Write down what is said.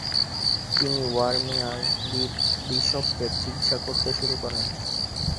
তিনি ওয়ারমিয়ার বিসপদের চিকিৎসা করতে শুরু করেন।